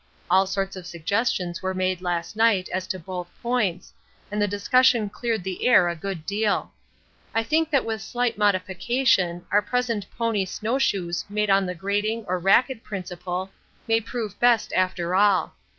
All sorts of suggestions were made last night as to both points, and the discussion cleared the air a good deal. I think that with slight modification our present pony snow shoes made on the grating or racquet principle may prove best after all.